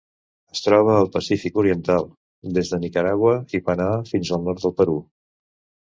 Es troba al Pacífic oriental: des de Nicaragua i Panamà fins al nord del Perú.